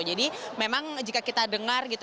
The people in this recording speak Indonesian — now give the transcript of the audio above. memang jika kita dengar gitu